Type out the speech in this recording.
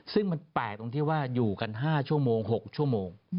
ซึ่งมันแปลกตรงที่ว่าอยู่กัน๕ชั่วโมง๖ชั่วโมง